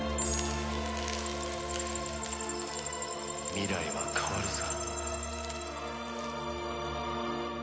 未来は変わるさ。